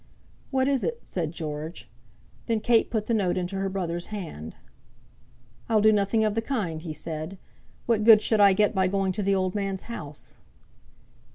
"What is it?" said George. Then Kate put the note into her brother's hand. "I'll do nothing of the kind," he said. "What good should I get by going to the old man's house?"